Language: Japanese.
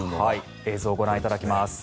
映像をご覧いただきます。